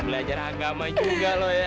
belajar agama juga loh ya